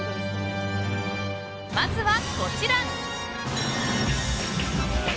まずは、こちら。